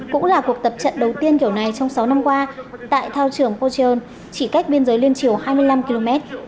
cũng là cuộc tập trận đầu tiên kiểu này trong sáu năm qua tại thao trường pochon chỉ cách biên giới liên triều hai mươi năm km